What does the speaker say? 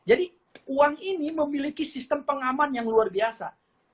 uang ini memiliki sistem pengaman yang luar biasa